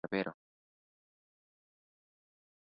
Su padre era barbero.